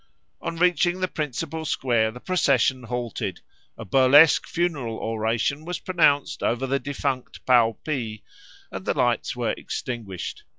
On reaching the principal square the procession halted, a burlesque funeral oration was pronounced over the defunct Pau Pi, and the lights were extinguished.